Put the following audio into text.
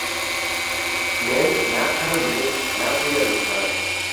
Men na qrimlik, na bu yerlikman.